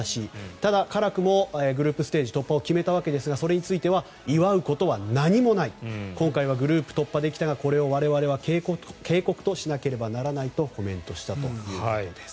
ただ、辛くもグループステージ突破を決めたわけですがそれについては祝うことは何もない今回はグループ突破できたがこれを我々は警告としなければならないとコメントしたということです。